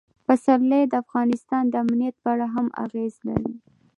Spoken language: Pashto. پسرلی د افغانستان د امنیت په اړه هم اغېز لري.